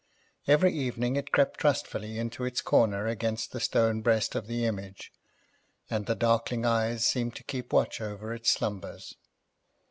Every evening it crept trustfully into its corner against the stone breast of the image, and the darkling eyes seemed to keep watch over its slumbers.